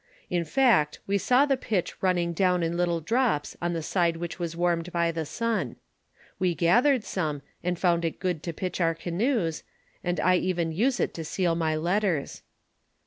In fact, we saw the pitch running down in little drops on the side which was wanned by the sun. "We gathered some, and found it good to pitch our canoes, and I even use it to seal my letters.